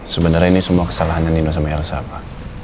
sebenarnya ini semua kesalahan nino sama yarsa pa